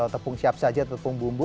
tepung siap saja tepung bumbu